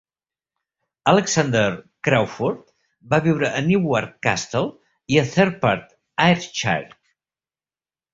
Alexander Craufurd va viure a Newark Castle i a Thirdpart, Ayrshire.